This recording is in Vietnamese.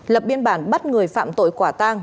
lập biên bản bắt người phạm tội quả tang